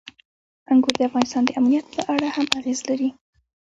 انګور د افغانستان د امنیت په اړه هم اغېز لري.